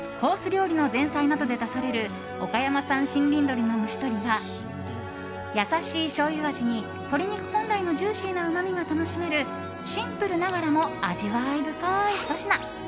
料理の前菜などで出される岡山産森林鶏の蒸し鶏は優しいしょうゆ味に鶏肉本来のジューシーなうまみが楽しめるシンプルながらも味わい深いひと品。